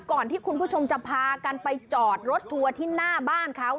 ที่คุณผู้ชมจะพากันไปจอดรถทัวร์ที่หน้าบ้านเขา